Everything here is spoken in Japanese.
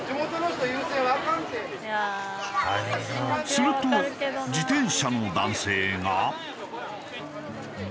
すると自転車の男性が。